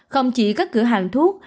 không chỉ các cửa hàng thuốc